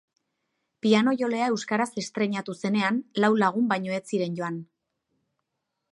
Pianojolea euskaraz estreinatu zenean lau lagun baino ez ziren joan.